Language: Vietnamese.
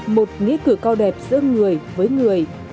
một nghĩa cử cao đẹp giữa người với người